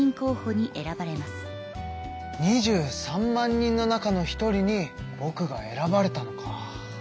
２３万人の中の一人にぼくが選ばれたのか。